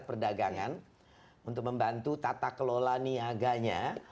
perdagangan untuk membantu tata kelola niaganya